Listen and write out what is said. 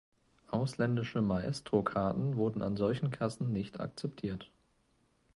Ausländische Maestro-Karten wurden an solchen Kassen nicht akzeptiert.